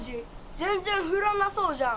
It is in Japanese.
全ぜんふらなそうじゃん。